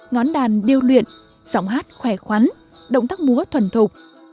ngón đàn điêu luyện giọng hát khỏe khoắn động tác múa thuần thục